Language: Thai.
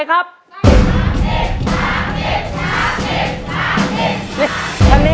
ขอบคุณค่ะ